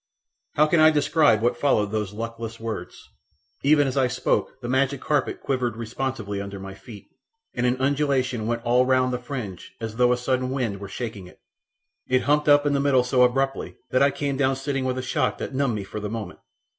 How can I describe what followed those luckless words? Even as I spoke the magic carpet quivered responsively under my feet, and an undulation went all round the fringe as though a sudden wind were shaking it. It humped up in the middle so abruptly that I came down sitting with a shock that numbed me for the moment.